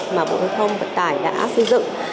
mà bộ giao thông vận tải đã xây dựng